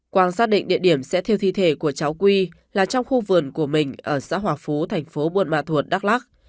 quang xác định địa điểm sẽ thiêu thi thể của cháu quy là trong khu vườn của mình ở xã hòa phú thành phố buôn ma thuột đắk lắc